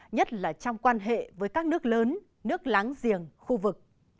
nhất là trong quan hệ với các nước lớn nước láng giềng khu vực